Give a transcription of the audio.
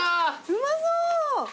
うまそう！